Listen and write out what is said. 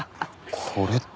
これって。